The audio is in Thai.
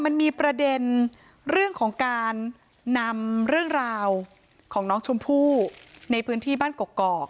มันมีประเด็นเรื่องของการนำเรื่องราวของน้องชมพู่ในพื้นที่บ้านกกอก